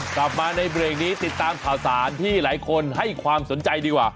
กลับมาในเบรกนี้ติดตามข่าวสารที่หลายคนให้ความสนใจดีกว่า